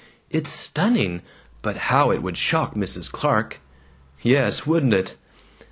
"It's stunning. But how it would shock Mrs. Clark!" "Yes, wouldn't it!"